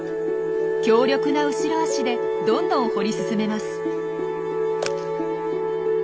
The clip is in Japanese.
強力な後ろ足でどんどん掘り進めます。